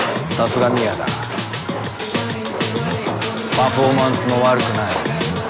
パフォーマンスも悪くない。